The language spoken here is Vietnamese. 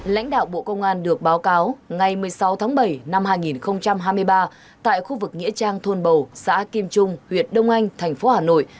lãnh đạo bộ công an được báo cáo ngày một mươi sáu tháng bảy năm hai nghìn hai mươi ba tại khu vực nghĩa trang thôn bầu xã kim trung huyện đông anh thành phố hà nội